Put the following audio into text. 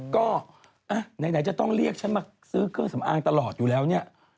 ก็ไหนจะต้องเรียกฉันมาซื้อเครื่องสำอางตลอดอยู่แล้วเนี่ย